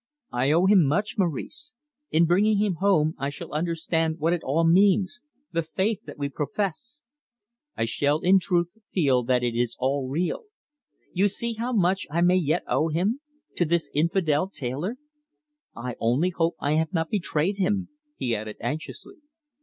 I owe him much, Maurice. In bringing him home, I shall understand what it all means the faith that we profess. I shall in truth feel that it is all real. You see how much I may yet owe to him to this infidel tailor. I only hope I have not betrayed him," he added anxiously.